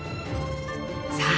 さあ